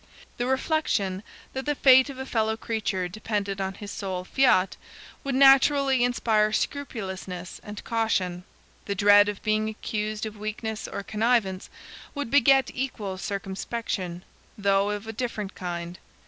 The reflection that the fate of a fellow creature depended on his sole fiat, would naturally inspire scrupulousness and caution; the dread of being accused of weakness or connivance, would beget equal circumspection, though of a different kind.